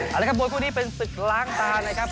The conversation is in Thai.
เอาละครับมวยคู่นี้เป็นศึกล้างตานะครับ